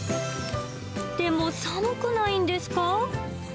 でも寒くないんですか？